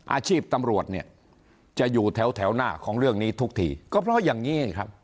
อาชีพตำรวจจะอยู่แถวหน้าของเรื่องนี้ทุกทีก็เพราะอย่างนี้